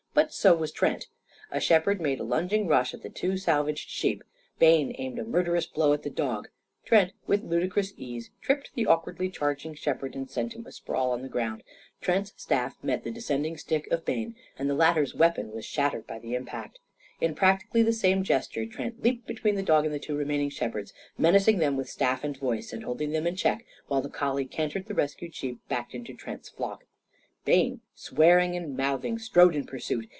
But so was Trent. A shepherd made a lunging rush at the two salvaged sheep. Bayne aimed a murderous blow at the dog. Trent, with ludicrous ease, tripped the awkwardly charging shepherd and sent him asprawl on the ground. Trent's staff met the descending stick of Bayne, and the latter's weapon was shattered by the impact. In practically the same gesture, Trent leaped between his dog and the two remaining shepherds, menacing them with staff and voice, and holding them in check while the collie cantered the rescued sheep back into Trent's flock. Bayne, swearing and mouthing, strode in pursuit.